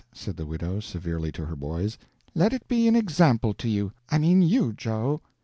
said the widow, severely, to her boys. "Let it be an example to you I mean you, Joe."